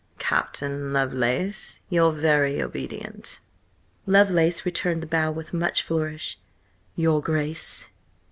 Captain Lovelace, your very obedient!" Lovelace returned the bow with much flourish. "Your Grace!"